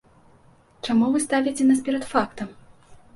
Чаму вы ставіце нас перад фактам?